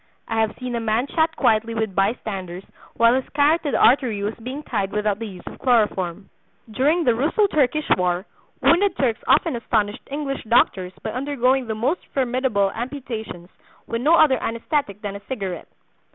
I have seen a man chat quietly with bystanders while his carotid artery was being tied without the use of chloroform. During the Russo Turkish war wounded Turks often astonished English doctors by undergoing the most formidable amputations with no other anaesthetic than a cigarette.